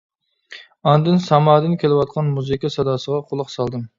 ئاندىن سامادىن كېلىۋاتقان مۇزىكا ساداسىغا قۇلاق سالدىم.